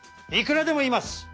いくらでもいます。